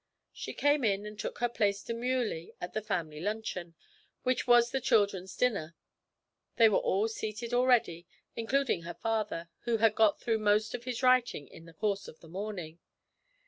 She came in and took her place demurely at the family luncheon, which was the children's dinner; they were all seated already, including her father, who had got through most of his writing in the course of the morning.